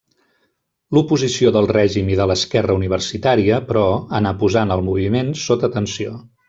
L'oposició del règim i de l'esquerra universitària, però, anà posant el moviment sota tensió.